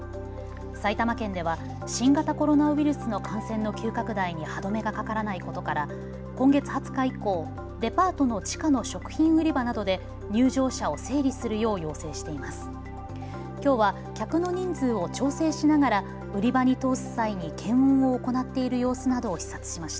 埼玉県では新型コロナウイルスの感染の急拡大に歯止めがかからないことから今月２０日以降、デパートの地下の食品売り場などで入場者を整理するよう要請しています。